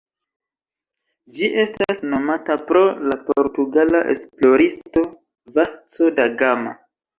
Ĝi estas nomata pro la portugala esploristo Vasco da Gama.